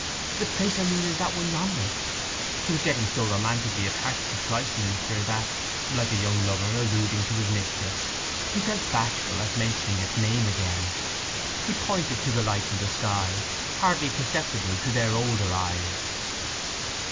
"The place I mean is that one yonder." He was getting so romantically attached to Christminster that, like a young lover alluding to his mistress, he felt bashful at mentioning its name again. He pointed to the light in the sky—hardly perceptible to their older eyes.